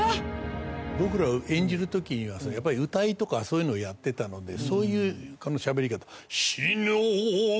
僕らは演じる時にはやっぱり謡とかそういうのをやってたのでそういうしゃべり方。